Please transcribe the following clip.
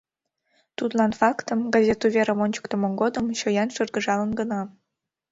Тудлан фактым, газет уверым ончыктымо годым чоян шыргыжалын гына: